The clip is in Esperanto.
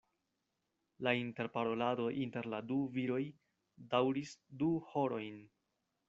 La interparolado inter la du viroj daŭris du horojn.